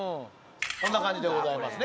こんな感じでございますね